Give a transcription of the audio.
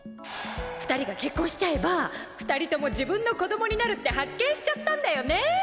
２人が結婚しちゃえば２人とも自分の子供になるって発見しちゃったんだよね！